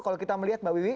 kalau kita melihat mbak wiwi